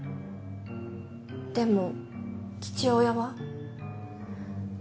でも父親は？